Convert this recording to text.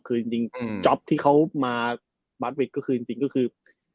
คือจริงจ๊อปที่เขามาบาร์ดวิดก็คือจริงก็คือ